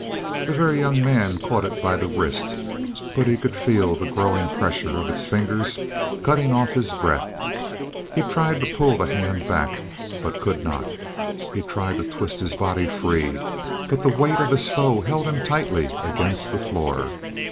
The Very Young Man caught it by the wrist, but he could feel the growing pressure of its fingers cutting off his breath. He tried to pull the hand back, but could not; he tried to twist his body free, but the weight of his foe held him tightly against the floor.